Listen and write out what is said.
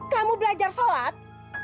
kamu belajar sholat